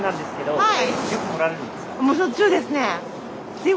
はい。